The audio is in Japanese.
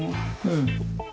うん。